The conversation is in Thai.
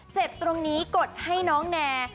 เจ็บตรงนี้กดให้น้องแน